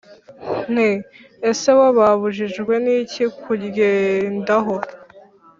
nti: “ese bo babujijwe n’iki kuryendaho